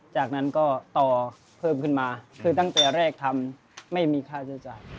จากนั้นก็ต่อเพิ่มขึ้นมาคือตั้งแต่แรกทำไม่มีค่าใช้จ่าย